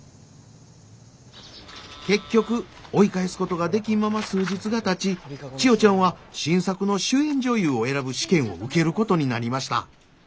結局追い返すことができんまま数日がたち千代ちゃんは新作の主演女優を選ぶ試験を受けることになりました。